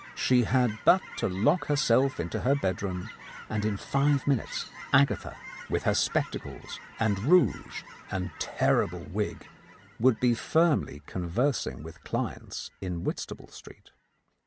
She had but to lock herself into her bed room, and in five minutes Agatha, with her spectacles and rouge and terrible wig, would be firmly con versing with clients in Whitstaple Street.